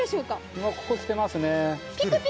今ここきてますね。